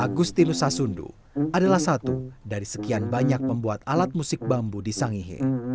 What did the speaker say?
agustinus sasundu adalah satu dari sekian banyak pembuat alat musik bambu di sangihe